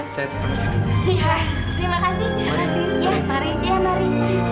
saya tetap di sini